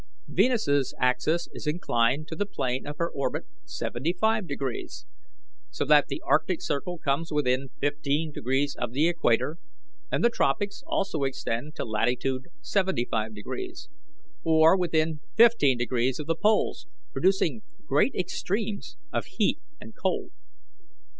Venus's axis is inclined to the plane of her orbit seventy five degrees, so that the arctic circle comes within fifteen degrees of the equator, and the tropics also extend to latitude seventy five degrees, or within fifteen degrees of the poles, producing great extremes of heat and cold.